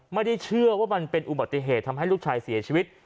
ไม่ได้เชื่อว่ามันเป็นอุบัติเหตุทำให้ลูกชายเสียชีวิต